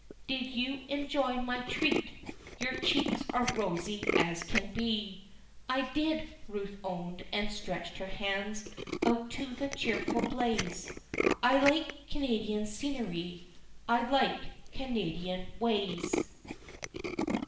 "Did you enjoy my treat? Your cheeks are rosy as can be," "I did," Ruth owned, and stretched her hands out to the cheerful blaze, "I like Canadian scenery I like Canadian ways."